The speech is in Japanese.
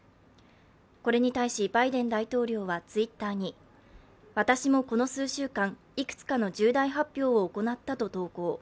これに対し、バイデン大統領はツイッターに私もこの数週間いくつかの重大発表を行ったと投稿。